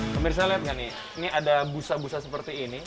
pemirsa lihat nggak nih ini ada busa busa seperti ini